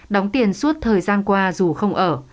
đóng tiền suốt thời gian qua dù không ở